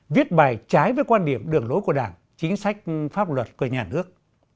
viết bài trái với quan điểm đường lối của đảng chính sách pháp luật của nhà nước